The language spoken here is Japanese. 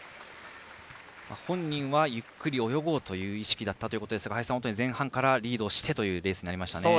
本人はゆっくり泳ごうという意識だったということですが林さん、前半からいいレースをしてというレースになりましたね。